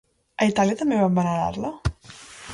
A Itàlia també van venerar-la?